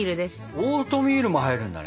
オートミールも入るんだね。